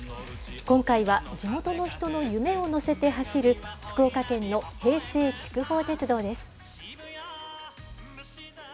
今回は、地元の人の夢を乗せて走る、福岡県の平成筑豊鉄道です。